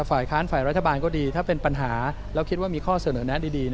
ฝ่ายค้านฝ่ายรัฐบาลก็ดีถ้าเป็นปัญหาแล้วคิดว่ามีข้อเสนอแนะดี